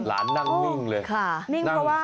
หลานนั่งนิ่งเลย